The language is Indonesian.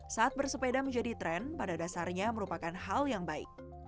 saat bersepeda menjadi tren pada dasarnya merupakan hal yang baik